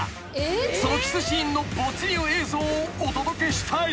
［そのキスシーンの没入映像をお届けしたい］